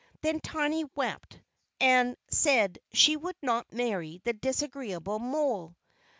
Then Tiny wept, and said she would not marry the disagreeable mole.